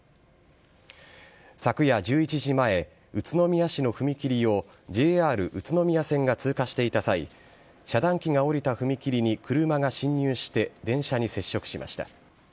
昨夜１１時前、宇都宮市の踏切をＪＲ宇都宮線が通過していた際、遮断機が下りた踏切に車が進入して電車に接触しました。